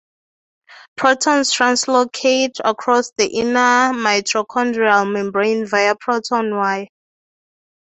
Protons translocate across the inner mitochondrial membrane via proton wire.